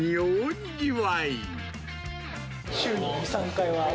週に２、３回は。